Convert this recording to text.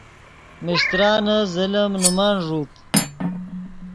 میشترانے ظلم نے من ݱوت